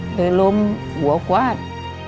เธอล้มหัวขวาด